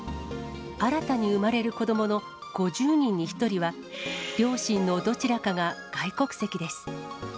新たに生まれる子どもの５０人に１人は、両親のどちらかが外国籍です。